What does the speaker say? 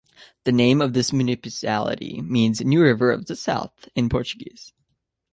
The name of this municipality means "New River of the South" in Portuguese.